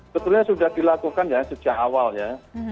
sebenarnya sudah dilakukan ya sejak awalnya